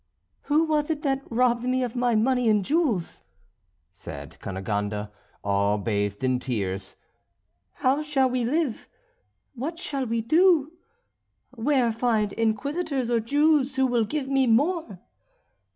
"Who was it that robbed me of my money and jewels?" said Cunegonde, all bathed in tears. "How shall we live? What shall we do? Where find Inquisitors or Jews who will give me more?"